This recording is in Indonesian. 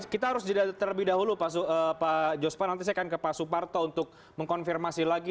kita harus terlebih dahulu pak jospan nanti saya akan ke pak suparto untuk mengkonfirmasi lagi